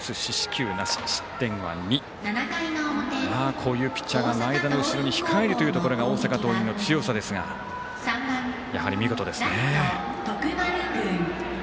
こういうピッチャーが前田の後ろに控えるのが大阪桐蔭の強さですがやはり、見事ですね。